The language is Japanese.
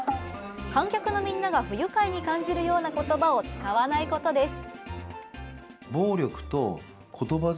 観客のみんなが不愉快に感じるような言葉を使わないことです。